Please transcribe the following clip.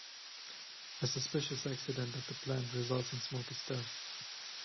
A suspicious accident at the plant results in Smokey's death.